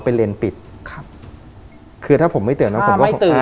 เป็นเลน็นปิดถ้าผมไมสู่ก่อน